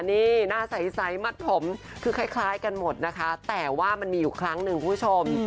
นี่หน้าใสมัดผมคือคล้ายกันหมดนะคะแต่ว่ามันมีอยู่ครั้งหนึ่งคุณผู้ชม